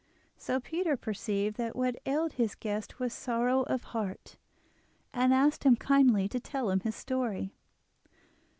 So Peter perceived that what ailed his guest was sorrow of heart, and asked him kindly to tell him his story.